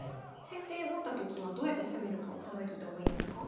先手持ったときはどうやって攻めるかを考えといた方がいいんですか？